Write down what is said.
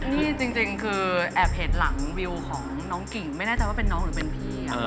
นี่จริงคือแอบเห็นหลังวิวของน้องกิ่งไม่แน่ใจว่าเป็นน้องหรือเป็นพี่